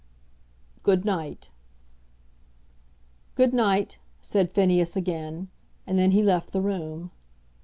"Good night." "Good night," said Phineas again; and then he left the room.